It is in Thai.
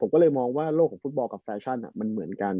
ผมก็เลยมองว่าโลกของฟุตบอลกับแฟชั่นมันเหมือนกัน